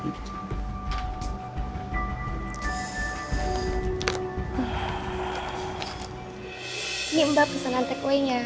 ini mbak pesanan takeaway nya